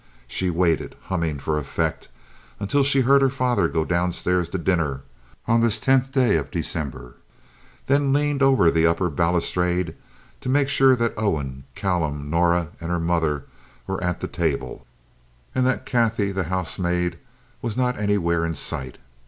She waited, humming for effect, until she heard her father go downstairs to dinner on this tenth day of December, then leaned over the upper balustrade to make sure that Owen, Callum, Norah, and her mother were at the table, and that Katy, the housemaid, was not anywhere in sight.